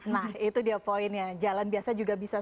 nah itu dia poinnya jalan biasa juga bisa